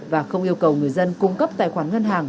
và không yêu cầu người dân cung cấp tài khoản ngân hàng